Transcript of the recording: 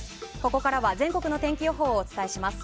ここからは全国の天気予報をお伝えします。